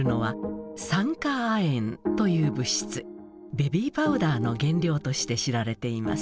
ベビーパウダーの原料として知られています。